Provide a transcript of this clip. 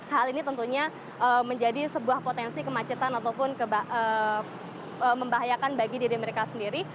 hal ini tentunya menjadi sebuah potensi kemacetan ataupun membahayakan bagi diri mereka sendiri